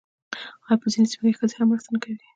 آیا په ځینو سیمو کې ښځې هم مرسته نه کوي؟